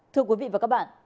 thưa quý vị và các bạn